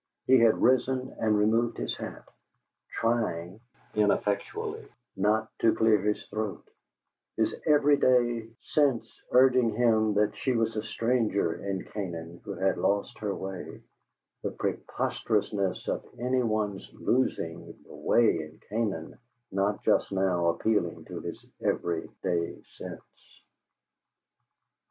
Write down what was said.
He had risen and removed his hat, trying (ineffectually) not to clear his throat; his every day sense urging upon him that she was a stranger in Canaan who had lost her way the preposterousness of any one's losing the way in Canaan not just now appealing to his every day sense.